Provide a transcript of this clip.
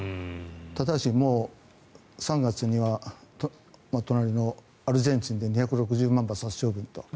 ただし、３月には隣のアルゼンチンで２６０万羽殺処分と。